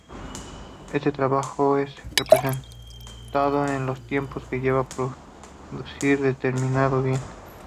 Este trabajo es expresado en el tiempo que lleva producir un determinado bien.